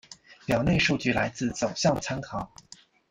表内数据来自走向参考